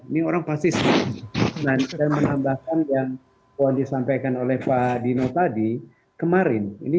ini orang pasis dan saya menambahkan yang yang disampaikan oleh pak dino tadi kemarin ini